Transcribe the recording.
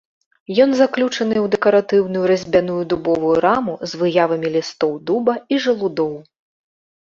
Ён заключаны ў дэкаратыўную разьбяную дубовую раму з выявамі лістоў дуба і жалудоў.